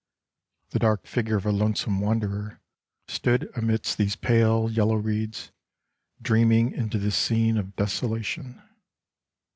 The dark figure of a lonesome wanderer stood amidst these pale yellow reeds, dreaming into this scene of desola tion.